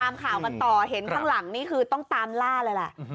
ตามข่าวกันต่อเห็นข้างหลังนี่คือต้องตามล่าเลยแหละ